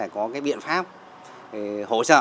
có cái biện pháp hỗ trợ